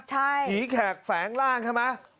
ผีแขกแฝงร่างใช่ไหม